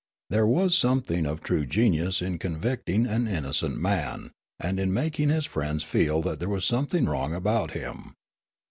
There was something of true genius in convicting an innocent man, and in making his friends feel that there was something wrong about him.